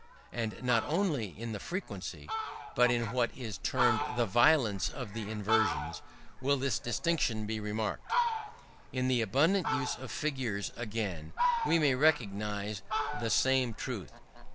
And not only in the frequency, but in what is termed the violence of the inversions, will this distinction be remarked. In the abundant use of figures, again, we may recognize the same truth.